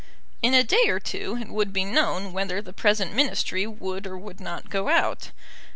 In a day or two it would be known whether the present Ministry would or would not go out.